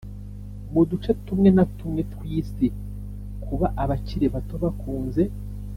Mu duce tumwe na tumwe tw isi kuba abakiri bato bakunze